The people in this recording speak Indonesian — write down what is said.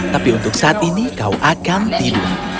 tapi untuk saat ini kau akan tidur